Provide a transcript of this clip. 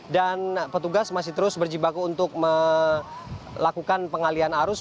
dan petugas masih terus berjibaku untuk melakukan pengalian arus